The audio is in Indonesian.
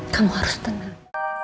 kamu harus tenang